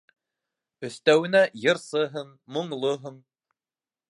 Өҫтәүенә, йырсыһың, моңлоһоң...